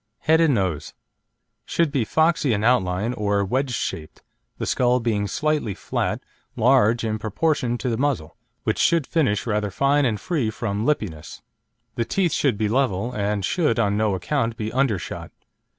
HEAD AND NOSE Should be foxy in outline or wedge shaped, the skull being slightly flat, large in proportion to the muzzle, which should finish rather fine and free from lippiness. The teeth should be level, and should on no account be undershot.